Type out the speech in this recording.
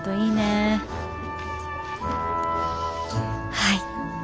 はい。